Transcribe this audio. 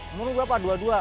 umur lu berapa dua puluh dua